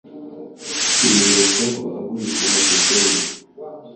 Yibeshaho agurisha amashusho ye.